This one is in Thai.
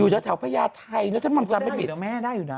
อยู่จากแถวพระยาทัยแล้วท่านมันจำไม่มี